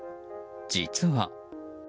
実は。